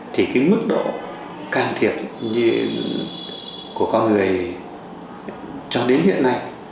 thì cái mức độ can thiệp của con người cho đến hiện nay